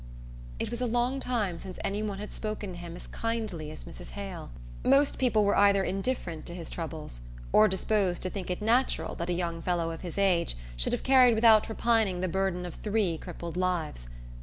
It was a long time since any one had spoken to him as kindly as Mrs. Hale. Most people were either indifferent to his troubles, or disposed to think it natural that a young fellow of his age should have carried without repining the burden of three crippled lives.